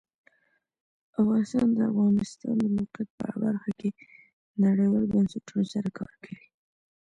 افغانستان د د افغانستان د موقعیت په برخه کې نړیوالو بنسټونو سره کار کوي.